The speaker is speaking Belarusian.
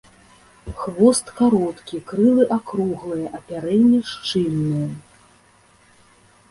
Хвост кароткі, крылы акруглыя, апярэнне шчыльнае.